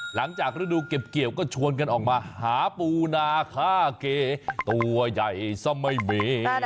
หลังจากฤดูเก็บเกี่ยวก็ชวนกันออกมาหาปูนาคาเกตัวใหญ่สมัยเม